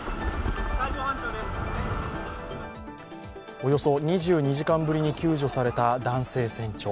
およそ２２時間ぶりに救助された男性船長。